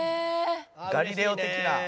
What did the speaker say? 『ガリレオ』的な。